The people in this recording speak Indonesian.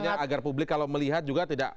ini maksudnya agar publik kalau melihat juga tidak